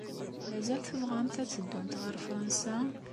Mazal tebɣamt ad teddumt ɣer Fṛansa?